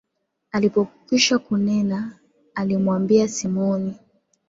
Alipokwisha kunena, alimwambia Simoni.